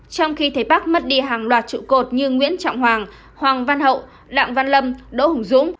trong khi thế bắc mất đi hàng loạt trụ cột như nguyễn trọng hoàng hoàng văn hậu đặng văn lâm đỗ hùng dũng